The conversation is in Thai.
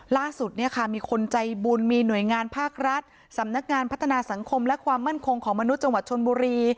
ล่าสุดเนี่ยค่ะมีคนใจบุญมีหน่วยงานภาครัฐสำนักงานพัฒนาสังคมและความมั่นคงของมนุษย์จังหวัดชนบุรี